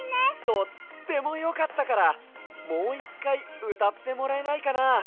とってもよかったからもう１かいうたってもらえないかな？